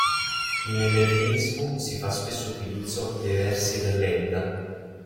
Nell'Etenismo si fa spesso utilizzo dei versi dell'Edda.